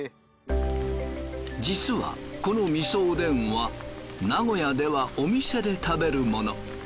実はこのみそおでんは名古屋ではお店で食べるもの。